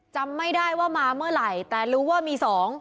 จำไม่ได้ว่ามาเมื่อไหร่แต่รู้ว่ามี๒